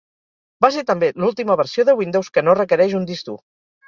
Va ser també l'última versió de Windows que no requereix un disc dur.